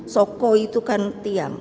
soko yang berpengaruh untuk menjaga kemampuan